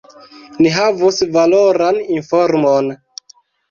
Ni havus valoran informon.